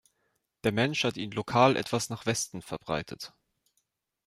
Der Mensch hat ihn lokal etwas nach Westen verbreitet.